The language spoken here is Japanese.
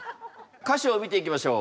歌詞を見ていきましょう。